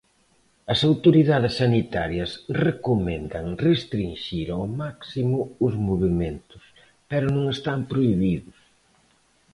As autoridades sanitarias recomendan restrinxir ao máximo os movementos, pero non están prohibidos.